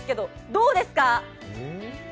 どうですか？